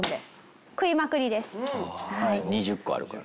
２０個あるから。